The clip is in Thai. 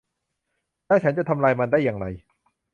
แล้วฉันจะทำลายมันได้อย่างไร